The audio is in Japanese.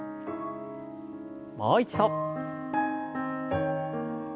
もう一度。